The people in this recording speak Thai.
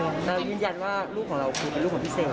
เรายืนยันว่าลูกของเราคือเป็นลูกของพี่เซลล